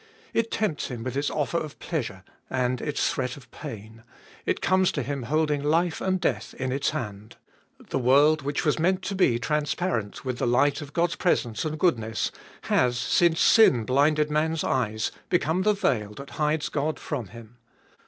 It tempts him with its offer of pleasure and its threat of pain ; it comes to him holding life anc5 death in its hand. The world, which was meant to be transparent with the light of God's presence and goodness, has, since sin blinded man's eyes, become the veil that hides God from him.